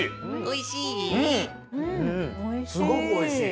おいしい。